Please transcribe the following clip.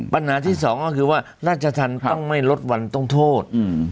ปัญหาที่สองก็คือว่าราชธรรมต้องไม่ลดวันต้องโทษ